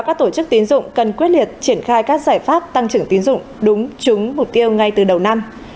và các tổ chức tiến dụng cần quyết liệt triển khai các giải pháp tăng trưởng tiến dụng đúng chứng mục tiêu ngay từ đầu năm